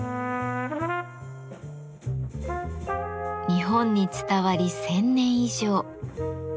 日本に伝わり１，０００年以上。